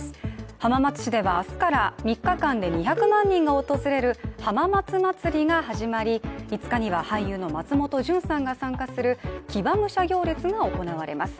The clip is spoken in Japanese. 浜松市では明日から３日間で２００万人が訪れる浜松まつりが始まり、５日には俳優の松本潤さんが参加する騎馬武者行列が行われます。